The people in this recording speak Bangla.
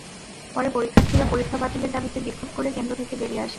পরে পরীক্ষার্থীরা পরীক্ষা বাতিলের দাবিতে বিক্ষোভ করে কেন্দ্র থেকে বেরিয়ে আসেন।